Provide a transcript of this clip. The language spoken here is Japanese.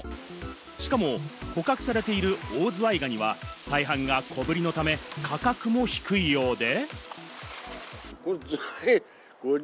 しかも捕獲されているオオズワイガニは大半が小ぶりのため、価格も低いようで。